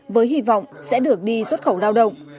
với hy vọng sẽ được đi xuất khẩu lao động